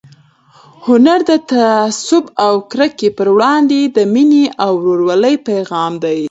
هنر د تعصب او کرکې پر وړاندې د مینې او ورورولۍ پيغام دی.